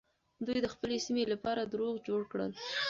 دوی د خپلې سيمې لپاره دروغ جوړ کړل.